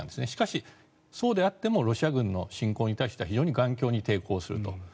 しかし、そうであってもロシア軍の侵攻に対しては非常に頑強に抵抗すると。